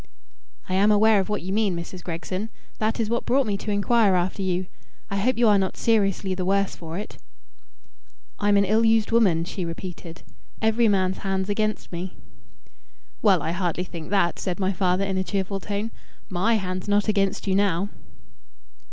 "I am aware of what you mean, Mrs. Gregson. That is what brought me to inquire after you. I hope you are not seriously the worse for it." "I'm an ill used woman," she repeated. "Every man's hand's against me." "Well, I hardly think that," said my father in a cheerful tone. "My hand's not against you now."